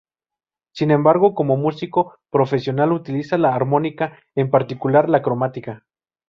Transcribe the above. Sin embargo, como músico profesional utiliza la armónica, en particular la cromática.